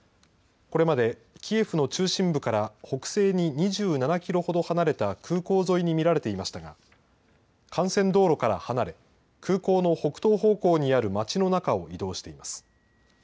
これまでキエフの中心部から北西に２７キロほど離れた空港沿いに見られていましたが、幹線道路から離れ、空港の北東方向にある街の中を移動しています。